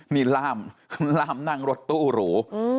นี่ล่ามล่ามนั่งรถตู้หรู